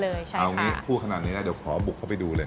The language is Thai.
เอางี้พูดขนาดนี้ได้เดี๋ยวขอบุกเข้าไปดูเลย